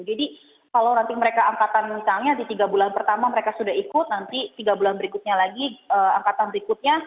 jadi kalau nanti mereka angkatan misalnya di tiga bulan pertama mereka sudah ikut nanti tiga bulan berikutnya lagi angkatan berikutnya